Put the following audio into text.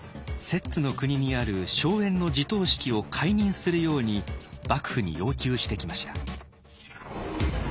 摂津の国にある荘園の地頭職を解任するように幕府に要求してきました。